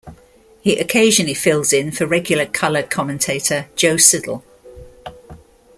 He occasionally fills in for regular colour commentator Joe Siddall.